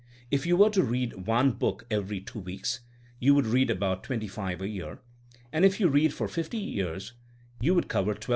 If you were to read one book every two weeks, you would read about twenty five a year, and if you read for fifty years you would cover 1,250.